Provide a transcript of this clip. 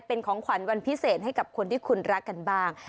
เป็นของขวัญวันพิเศษให้กับคนที่คุณรักกันบ้าง